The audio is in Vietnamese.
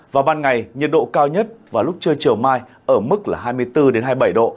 vào ban ngày nhiệt độ cao nhất vào lúc trưa chiều mai ở mức là hai mươi bốn hai mươi bảy độ